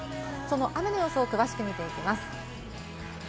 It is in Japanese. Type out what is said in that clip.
雨の予想を詳しく見ていきます。